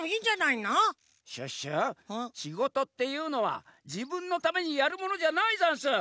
シュッシュしごとっていうのはじぶんのためにやるものじゃないざんす。